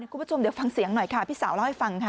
คุณผู้ชมเดี๋ยวฟังเสียงหน่อยค่ะพี่สาวเล่าให้ฟังค่ะ